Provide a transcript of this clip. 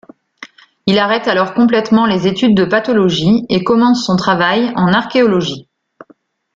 Il arrête alors complètement les études de pathologie et commence son travail en archéologie.